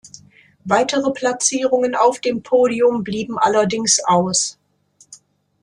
Weitere Platzierungen auf dem Podium blieben allerdings aus.